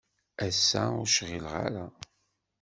Ass-a, ur cɣileɣ ara.